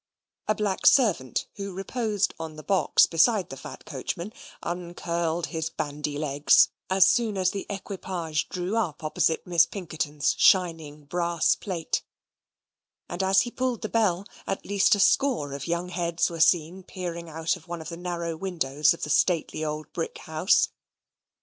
A black servant, who reposed on the box beside the fat coachman, uncurled his bandy legs as soon as the equipage drew up opposite Miss Pinkerton's shining brass plate, and as he pulled the bell at least a score of young heads were seen peering out of the narrow windows of the stately old brick house.